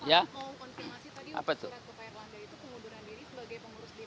pak mau konfirmasi tadi untuk surat kepala irlanda itu pengunduran diri sebagai pengurus dpp atau sebagai kabinet